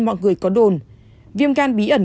mọi người có đồn viêm gan bí ẩn